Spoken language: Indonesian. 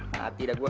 mati dah gua